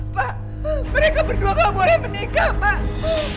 pak mereka berdua gak boleh menikah pak